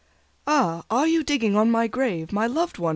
"AH, are you digging on my grave, My loved one?